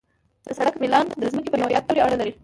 د سړک میلان د ځمکې په نوعیت پورې اړه لري